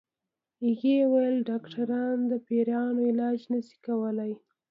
هغې ويل ډاکټران د پيريانو علاج نشي کولی